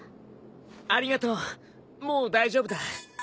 ありがとうもう大丈夫だ。